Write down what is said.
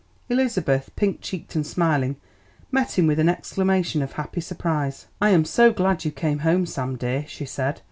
Elizabeth, pink cheeked and smiling, met him with an exclamation of happy surprise. "I am so glad you came home, Sam dear," she said.